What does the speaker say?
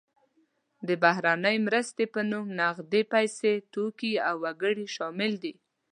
د بهرنۍ مرستې په نوم نغدې پیسې، توکي او وګړي شامل دي.